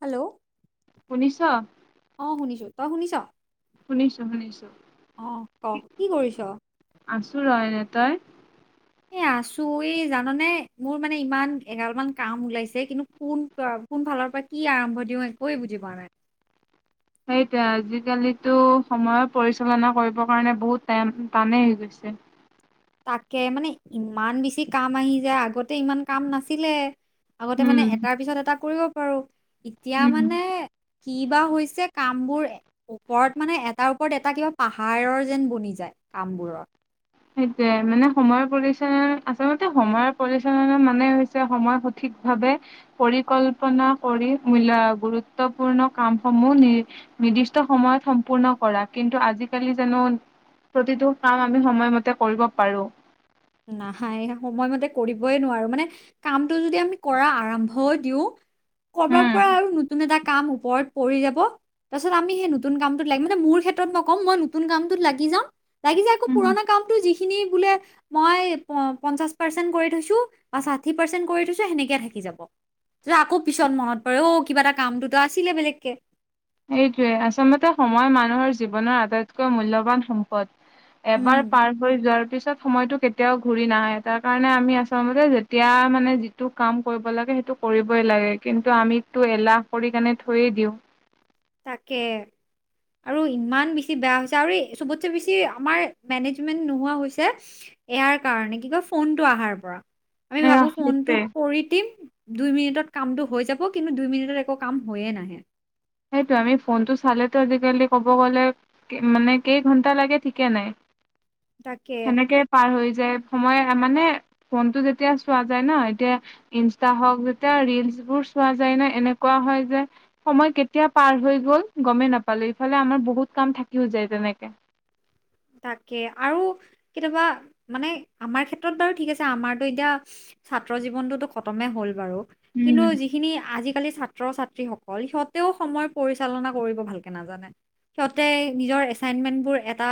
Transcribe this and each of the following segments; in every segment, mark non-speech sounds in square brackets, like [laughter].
Hello শুনিছ? অ শুনিছো তই শুনিছ। শুনিছো শুনিছো। অ ক কি কৰিছ। ৰনে তই এ আছো এই জানানে মোৰ মানে ইমান এগালমান কাম ওলাইছে কিন্তু কোন ক ভালৰ পৰা কি আৰম্ভ দিও একোৱে বুজি পোৱা নাই। [inaudible] সেইটোে আজিকালিতো সময়ৰ পৰিচালনা কৰিব কাৰণে বহুত টাইম টানেই হৈ গৈছে। উ তাকে মানে ইমান বেছি কাম আহি যায় আগতে ইমান কাম নাছিলে। আগতে মানে উম এটাৰ পিছত এটা কৰিব পাৰো এতিয়া উম মানে। কি বা হৈছে কাম বোৰ ওপৰত মানে এটাৰ ওপৰত এটা কিবা পাহাৰৰ যেন বনি যায়। কামবোৰৰ সেইটোয়ে মানে সময়ৰ পৰিচালননা আচলতে সময়ৰ পৰিচালনা মানে হৈছে সময় সঠিক। ভাৱে পৰিকল্পনা কৰি মূল গুৰুত্বপূৰ্ণ কামসমূহ নি নিৰ্দিষ্ট সময়ত সম্পূৰ্ণ কৰা কিন্তু আজিকালি জানো প্ৰতিটো কাম আমি সময়মতে তেতিয়া কৰিব পাৰোঁ। নাহাই নহয় সময়মতে কৰিবই নোৱাৰো মানে কামটো যদি আমি কৰা আৰম্ভ দিওঁ কৰবাৰ উম পৰা আৰু নতুন এটা কাম ওপৰত পৰি যাব তাৰপাছত আমি সেই নতুন কামটোত লাগি মানে মুৰ ক্ষে ভিতৰত নকম মই নতুন কামটোত লাগি যাম লাগি যাই আকৌ উম পুৰণা কামটো যিখিনি বোলে মই প পঞ্চাছ পাৰ্চেণ্ট কৰি থৈছোঁ বা ষাঠি পাৰ্চেণ্ট কৰি থৈছোঁ সেনেকেয়ে থাকি যাব। তেতিয়া আকৌ পিছত মনত পৰে অ কিবা এটা কামটোতো আছিলে বেলেগকে এইটোৱে আচলতে সময় মানুহৰ জীৱনৰ আটাইতকৈ মূল্যবান সম্পদ। হে আ উম এবাৰ পাৰ হৈ যোৱাৰ পিছত সময়টোত কেতিয়াও ঘূৰি নাহে তাৰ কাৰণে আমি আচলতে যেতিয়া মানে যিটো কাম কৰিব লাগে সেইটো কৰিবই লাগে। কিন্তু আমিতটো এলাহ কৰি কেনে থৈয়ে দিওঁ। তাকে আৰু ইমান বেছি বেয়া হৈছে আৰু এই চবতচে বেছি আমাৰ মেনেজমেন্ট নোহোৱা হৈছে ই ই স্ ইয়াৰ কাৰণে কি কয় ফোনটো আহাৰ পৰা। আমি এয়া ভাবো সেইটোৱে ফোনটোত কৰি দিম দুই মিনিটত কামটো হৈ যাব কিন্তু দুই মিনিটত একো কাম হৈয়ে নাহে। সেইটোৱে আমি ফোনটো চালেতো আজিকালি কব গ'লে কে মানে কেই ঘন্টা লাগে ঠিকে নাই। তাকে সেনেকে পাৰ হৈ যায় সময়ে তাৰমানে ফোনটো যেতিয়া চোৱা যায় ন এতিয়া ইনষ্টা হক যেতিয়া ৰিলছ বোৰ চোৱা যায় তেনে এনেকুৱা হয় যে সময় কেতিয়া পাৰ হৈ গ'ল গমেই নেপালো ইফালে আমাৰ বহুত কাম থাক কিও যায় তেনেকে? তাকে আৰু কেতিয়াবা মানে আমাৰ ক্ষেত্ৰত বাৰু ঠিক আছে আমাৰতো এতিয়া উ উস্ ছাত্ৰ জীৱনটোতো খতমে হ'ল বাৰু কিন্তু উম যিখিনি আজিকালি ছাত্ৰ-ছাত্ৰী সক সিহঁতেও সময় পৰিচালনা কৰিব ভালকে নাজানে। সিহঁতে নিজৰ এছাইনমেন্ট বোৰ এটা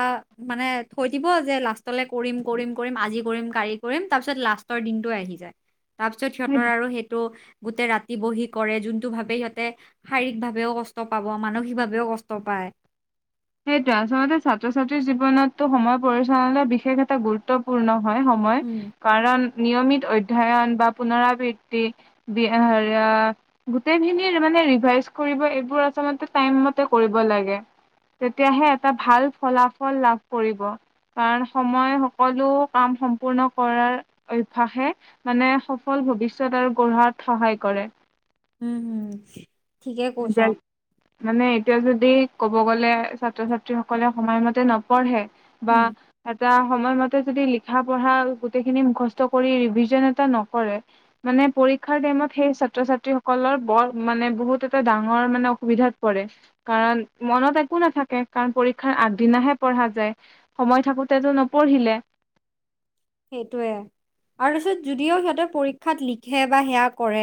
মানে থৈ দিব যে লাষ্টলৈ কৰিম কৰিম কৰিম আজি কৰিম কালি কৰিম তাৰ পিছত লাষ্টৰ দিনটো আহি যায় তাৰপিছত সেই সিহঁতৰ আৰু সেইটো গোটেই ৰাতি বহি কৰে যোনটো ভাৱে সিহঁতে শাৰীৰিক ভাৱেও কষ্ট পাব মানসিকভাৱেও কষ্ট পায়। [inaudible] সেইটোৱে আচলতে ছাত্ৰ-ছাত্ৰীৰ জীৱনতটো সময় পৰিচালনা বিশেষ এটা গুৰুত্বপূৰ্ণ। সময় উম কাৰণ নিয়মিত ঐভ- অধ্যয়ন বা পুনৰাবৃত্তি বি এ এ হাইয়া গোটেইখিনিৰ মানে ৰিভাইজ কৰি সেইবোৰ-এইবোৰ আচলতে টাইম মতে কৰিব লাগে তেতিয়াহে এটা ভাল ফলাফল লাভ কৰিব কাৰণ সময় সকলো কাম সম সম্পূৰ্ণ কৰাৰ অভ্যাসে মানে সফল ভৱিষ্যত আৰু গঢ়াত সহায় কৰে। উম ঠিকে কৈছ যাই, মানে এতিয়া যদি ক'ব গ'লে ছাত্ৰ-ছাত্ৰী সকলে সময়মতে নপঢ়ে বা উম। তাত সময়মতে যদি লিখা-পঢ়া আৰু গোটেইখিনি মুখস্থ কৰি ৰিভিজন এটা নকৰে মানে পৰীক্ষাৰ টাইমত সেই ছাত্ৰ-ছাত্ৰী সকলৰ বৰ মানে বহুত এটা ডাঙৰ মানে অসুবিধাত পৰে কাৰণ মনত একো নাথাকে কাৰণ পৰীক্ষাৰ আগদিনাহে পঢ় পঢ়া যায় সময় থাকোতেতো নপঢ়িলে সেইটোৱে আৰু পিছত যদিও সিহঁতে পৰীক্ষাত লিখে বা সেয়া কৰে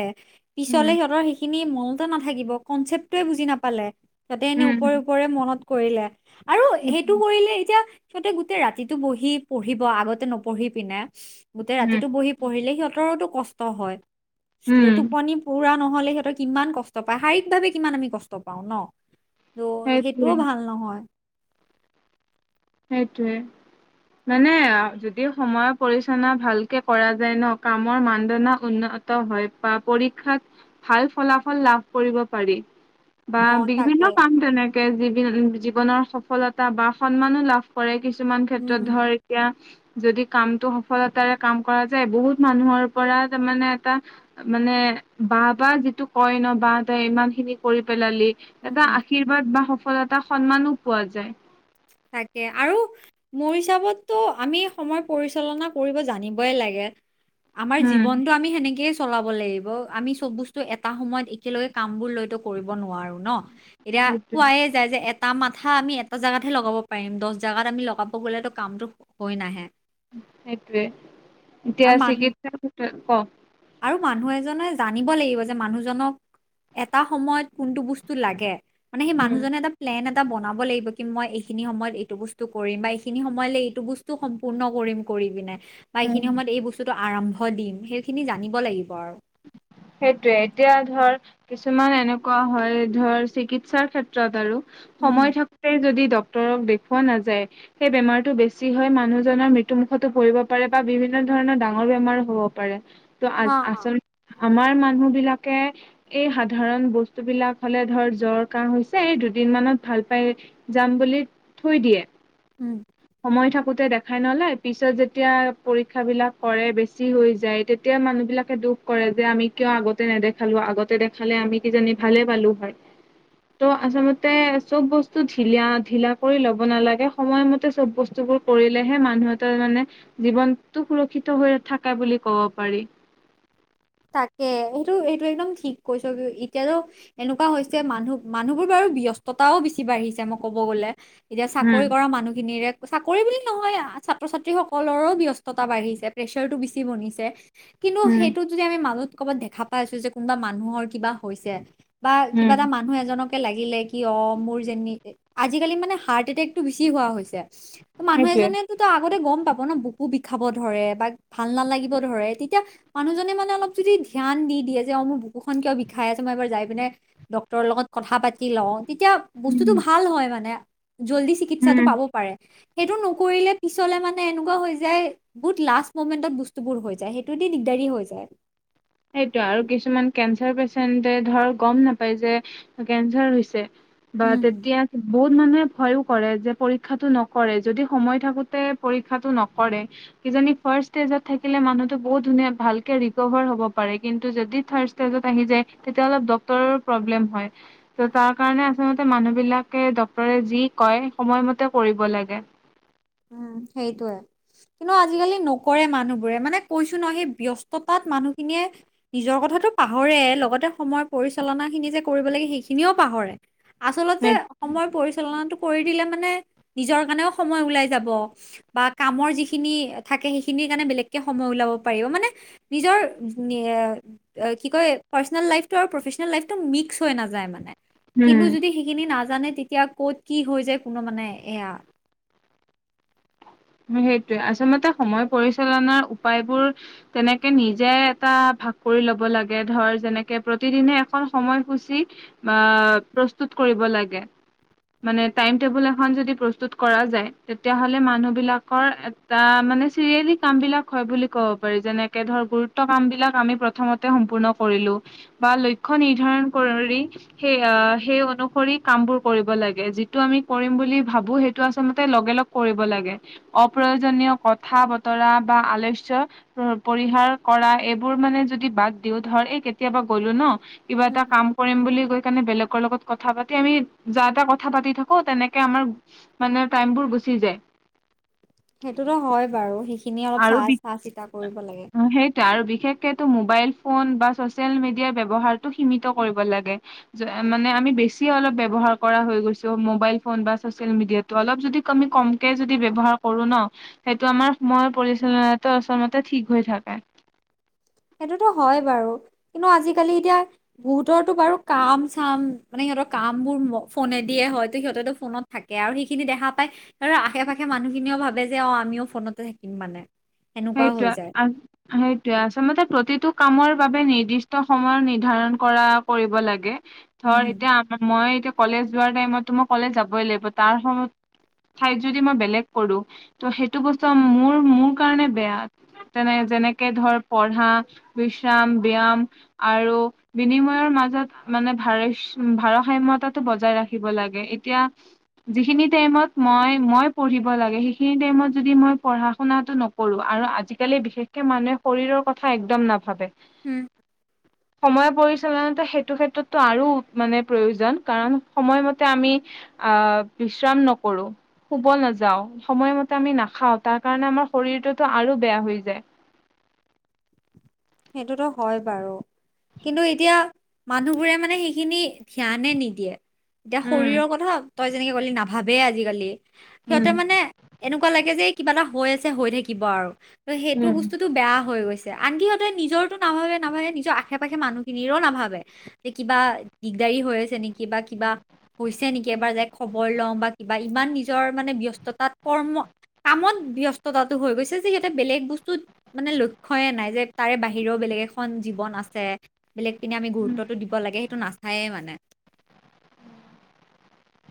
পিছলে উম সিহঁতৰ সেইখিনি মনতে নাথাকিব কনচেপ্টটোয়ে বুজি নাপালে। তাতে এনে ওপৰে উম ওপৰে মনত কৰিলে আৰু সেইটো কৰিলে এতিয়া সিহঁতে গোটেই ৰাতিটো বহি পঢ়িব আগতে নপঢ়ি পিনে গোটেই উম ৰাতিটো বহি পঢ়িলে সিহঁত সিহঁতৰটো কষ্ট হয় ছিল উম টোপনি পুৰা নহলে সিহঁতৰ কিমান কষ্ট পায় শাৰীৰিক ভাৱে কিমান আমি কষ্ট পাওঁ ন। ত সেইটোৱে সেইটোও ভাল নহয়। সেইটোৱে মানে আৰু যদি সময় পৰিচালনা ভালকে কৰা যায় ন কামৰ মানদণ্ড উন্ন হয় বা পৰীক্ষাত ভাল ফলাফল লাভ কৰিব পাৰি। বা অ তাকে বিভিন্ন কাম তেনেকে জীৱনৰ সফলতা বা সন্মানো লাভ। লা কৰে কিছুমান উম ক্ষেত্ৰত হম ধৰ এতিয়া। যদি কামতটো সফলতাৰে কাম কৰা যায় বহুত মানুহৰ পৰা তাৰ মানে এটা মানে। বা বা যিটো কয় ন বা তাই ইমান খিনি কৰি- পেলালি উম এটা হম আশীৰ্বাদ বা সফলতাৰ সন্মানো পোৱা যায়। তাকে আৰু মোৰ হিচাপতটো আমি সময় পৰিচালনা কৰিব জানিবই লাগে। [inaudible] আমাৰ জীৱনটো আমি সেনেকে- চলাব লাগিব আমি চব বস্তু এটা সময়ত একেলগে কাম বোৰ লৈতো কৰিব নোৱাৰো। ন এতিয়া সেইটোৱে কোৱাই যায় যে এটা মাথা আমি এটা জাগাত- লগাব পাৰিম দছ জাগাত আমি লগাব গ'লেতো কামটো হৈ নাহে। সেইটোৱে আৰু ঐতিহাসিক মানুহ ইতি ক- আৰু মানুহ এজনে জানিব লাগিব যে মানুহজনক- এটা সময়ত কোনটো বস্তু লাগে মানে সেই মানুহজনে এটা প্লেন এটা- এটা বনাব লাগিব কি মই এইখিনি সময়ত এইটো বস্তু কৰিম বা এইখিনি সময়লৈ এইটো বস্তু সম্পূৰ্ণ কৰিম কৰি পিনে- বা এইখিনি উম সময়ত এই বস্তুটো আৰম্ভ দিম সেইখিনি জানিব লাগিব আৰু- [unintelligible] সেইটোয়ে এতিয়া ধৰ কিছুমান এনেকুৱা হয়। ধৰ চিকিৎসাৰ ক্ষেত্ৰত আৰু- উম হম সময় থাকোতে যদি ডক ডক্তৰক দেখুৱা নাযায় সেই বেমাৰটো বেছি হয় মানুহজনৰ মৃত্যুমুখতো পৰিব পাৰে বা বিভিন্ন ধৰণৰ ডাঙৰ বেমাৰ হ'ব পাৰে অ ত' অ আচলতে- আমাৰ মানুহ বিলাকে এই সাধাৰণ বস্তু বিলাক হলে ধৰ জ্বৰ কাহ হৈছে এই দু- দুদিন মানত ভাল পাই যাম বুলি থৈ দিয়ে- উম হৈ থাকোঁতে দেখাই নলই পিছত যেতিয়া পৰীক্ষা বিলাক কৰে বেছি হয় যায়। তেতিয়া মানুহ বিলাক তাকে দুখ কৰে যে আমি কিয় আগতে নেদেখালো আগতে দেখালে আমি কিজানি ভালে পালো হয়। ত' আচলতে চব বস্তু ঢিলিয়া ঢিলা কৰি লব নালাগে সময়মতে- চব বস্তু বোৰ কৰিলেহে মানুহৰ মানে জীৱনতটো সুৰক্ষিত হৈ থাকা বুলি ক'ব পাৰ- পাৰি তাকে এইটো এইটো একদম ঠিক কৈছ কি এতিয়াতো এনেকুৱা হৈছে মানুহ মানুহবোৰ বাৰু ব্যস্ততাও বেছি বাঢ়িছে মই ক'ব গ'লে এতিয়া উম চাকৰি কৰা মানুহখিনিৰে- চাকৰি বুলি নহয় ছাত্ৰ ছাত্ৰী সকলৰো ব্যস্ততা বাঢ়িছে প্ৰেচাৰটো বেছি বনিছে- কিন্তু উম সেইটোত যদি আমি মানুহ ক'বাত দেখা পাই আছো যে কোনোবা মানুহৰ কিবা হৈছে। বা কিবা উম এটা মানুহ এজনকে লাগিলে কি অ মোৰ যেন- আজিকালি মানে হাৰ্ট এটেকতটো বেছি হোৱা হৈছে ত মানুহ সেইটোৱে এজনে তো তো আগতে গম পাব ন- বুকু বিষাব ধৰে বা ভাল নালাগিব ধৰে তেতিয়া মানুহজনে মানে- [unintelligible] অলপ যদি ধ্যান দি দিয়ে যে অ মোৰ বুকুখনন কিয় বিষাই আছে মই এবাৰ যাই পিনে ডক্তৰৰ লগত কথা পাতি লওঁ- তেতিয়া বস্তুটো উম ভাল হয়। মানে জল্দি উম চিকিৎসাটো পাব পাৰে সেইটো নকৰিলে- পিছলে মানে এনেকুৱা হৈ যায় বহুত লাষ্ট মমেন্টত বস্তুবোৰ হৈ যায় সেইটো দি দিগদাৰি হৈ যায়। সেইটোয়ে আৰু কিছুমান কেঞ্চাৰ পেচেণ্টে ধৰ গম নাপায় যে কেঞ্চাৰ হৈছে। বা উম তেতিয়া - বহুত মানুহে ভয়ও কৰে যে পৰীক্ষাটো নকৰে যদি সময় থাকোতে পৰীক্ষাটো নকৰে। কিজানী ফাৰ্ষ্ট ষ্টেজত থাকিলে মানুহতো বহুত ধুনীয়া ভালকে ৰিকভাৰ হ'ব- পাৰে কিন্তু যদি থাষ্ট ষ্টেজত আহি জায় তেতিয়া হ'লে ডক্টৰৰ প্ৰব্লেম হয়। তাৰ কাৰণে আচলতে মানুহ বিলাকে ডক্টৰে যি কয় সময়মতে কৰিব লাগে। উম সেইটোৱে- কিন্তু আজিকালি নকৰে মানুহ বোৰে মানে কৈছো ন সেই ব্যস্ততাত মানুহখিনিয়ে নিজৰ কথা। কথাটো পাহৰে লগতে সময় পৰিচালনা খিনি যে কৰিব লাগে সেইখিনিও পাহৰে- আচলতে সময় পৰিচালনাটো কৰি দিলে মানে নিজৰ কাৰণেও সময় ওলাই যায়। যাব। বা কামৰ যিখিনি থাকে সেইখিনি কাৰণে বেলেগকে সময় উলিয়াব পাৰি মানে নিজৰ - কি কয় পাৰ্চনেল লাইফটো আৰু প্ৰফেচনেল লাইফটো মিক্স হৈ নাযায় মানে কিন্তু উম যদি সেইখিনি নাজানে তেতিয়া ক'ত কি হৈ যায় কোনো মানে এয়া সেইটোৱে আচলতে সময় পৰিচালনাৰ উপায়বোৰ তেনেকে নিজে এটা ভ কৰি ল'ব লাগে ধৰ যেনেকে প্ৰতিদিনে এখন সময়সূচী বা প্ৰস্তুত কৰিব কৰিব লাগে মানে টাইম টেবুল এখন যদি প্ৰস্তুত কৰা হয় বিলাকৰ এটা মানে চিৰিয়েলি কাম বিলাক হয় বুলি ক'ব পাৰি যেনেকে ধৰ গুৰুত্ব কাম বিলাক প্ৰথমতে সম্পূৰ্ণ কৰিলো বা লক্ষ্য নিৰ্ধাৰণ কৰি সেই সেই অনুস কাম বোৰ কৰিব লাগে যিটো আমি কৰিম বুলি ভাবো সেইটো আচলতে লগে লগ কৰিব লাগে অপ্ৰয়োজনীয় কথা বতৰা বা আলস্য পৰিহাৰ কৰা এইবোৰ মানে যদি বাদ দিও ধৰ এই কেতিয়াবা গ'লো ন কিবা এটা কাম কৰিম বুলি বেলেগ তেওঁলোকৰ লগত কথা পাতি আমি যা তা থাকো পাতি থাকো তেনেকে গ [unintelligible] সেইটোতো হয় বাৰু সেইখিনি অলপ আৰু বি চাই চা চিতা কৰিব লাগে [unintelligible] বিশেষকো মোবাইল ফোন বা চচিয়েল মিডিয়াৰ ব্যৱহাৰটো সীমিত কৰিব লাগে মানে আমি বেছি অলপ ব্যৱহাৰ কৰা হৈ গৈছো মোবাইল ফোন বা ছ'চিয়েল মিডিয়াটো অলপ যদি আমি কমকে যদি ব্যৱহাৰ কৰো ন সেইটো আমাৰ সময় পৰিচালনাটো আচলতে ঠিক হৈ থাকে [unintelligible] সেইটোতো হয় বাৰু কিন্তু আজিকালি এতিয়া ভহুতটো বাৰু কাম চাম মানে সহঁৰ কাম বোৰ ফোনে দিয়ে হয়তো সিহঁতেতো ফোনত থাকে আৰু সেইখিনি দেখা পায় আৰু আশে পাশে মানুহ সখিনিও ভাবে যে অঁ আমিও ফোনতে থাকিম মানে [unintelligible] সেনেকুৱা হৈ যায় সেইটোৱে সেইটোৱে আছে মতে প্ৰতি এইটো কামৰ বাবে নিৰ্দিষ্ট সময় নিৰ্ধাৰণ কৰা কৰিব লাগে উম ধৰ হম এতিয়া মই এতিয়া কলেজ যোৱাৰ টাইমতো মই কলেজ যাবই লাগিব তাৰ সময়ত ঠাইত যদি মই বেলেগ কৰো ত' সেইটো বস্তু মোৰ মোৰ কাৰণে বেয়া। তেনে যেনেকে ধৰ পঢ়া বিশ্ৰাম ব্যয়াম আৰু বিনিময়ৰ ম মাজত মানে ভাৰ ভাৰসাম্যতা বজাই ৰাখিব লাগে এতিয়া যিখিনি টাইমত মই মই পঢ়িব লাগে সেইখিনি টাইমত যদি মই পঢ়া শুনা কৰোঁ আৰু আজিকালি বিশেষকে মানুহে শৰীৰৰ কথা একদম নাভাবে। উম সময় পৰিছে আচলতে সেইটো ক্ষেত্ৰতো আৰু মানে প্ৰয়োজন কাৰণ সময়মতে আমি আহ বিশ্ৰাম নকৰোঁ শুব নাযাওঁ সময়মতে আমি নাখাওঁ তাৰ কাৰণে আমাৰ শৰীৰটোতো আৰু বেয়া হৈ যায়। সেইটোতো হয় বাৰু। কিন্তু এতিয়া মানুহবোৰে মানে সেইখিনি ধ্যানে নিদিয়ে। এতিয়া উম শৰীৰৰ কথা তই যেনেকে ক'লি নাভাবে আজিকালি। উম সিহঁতে মানে এনেকুৱা লাগে যে কিবা এটা হৈ আছে হৈ থাকিব আৰু। ত সেইটো উম বস্তুটো বেয়া হৈ গৈছে আনকি নিজৰো নাভাবে নাভাবে নিজৰ আশে পাশে মানুহখিনিৰও নাভাবে যে কিবা দিগদাৰী হৈ আছে। নে কিবা কিবা হৈছে নেকি এবাৰ যে খবৰ লওঁ বা কিবা ইমান নি নিজৰ মানে ব্যস্ততাত কৰ্ম। কামত ব্যৱস্থাটো হৈ গৈছে যে সিহঁতে বেলেগ বস্তুত মানে লক্ষ্যয়ে নাই যে তাৰে বাহিৰেও বেলেগ এখন জীৱন আছে বেলেগ পিনে আমি গুৰুত্বতটো উম দিব লাগে সেইটো নাচায়ে মানে।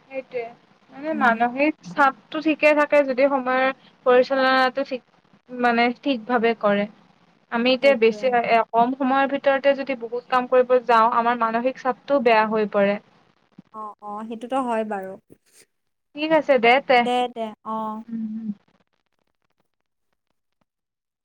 সেইটোৱে মানে উম, মানসিক চাপ টো ঠিকে থাকে যদি সময়ৰ পৰিচালনাটো ঠিক মানে ঠিক ভাবে কৰে আমি এতিয়া সেইটোৱে বেছি কম সময়ৰ ভিতৰতে যদি বহুত কাম কৰিব যাওঁ আমাৰ মানসিক চাপটোও বেয়া হৈ পৰে। অ অ সেইটোতো হয় বাৰু। ঠিক আছে তে দে দে আহ উম